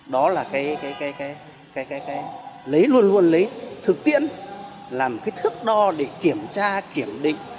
đó là cái lấy luôn luôn lấy thực tiễn làm cái thước đo để kiểm tra kiểm định